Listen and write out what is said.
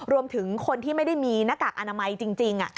รวมถึงคนที่ไม่ได้มีหน้ากากอนามัยจริง